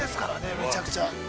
めちゃくちゃ。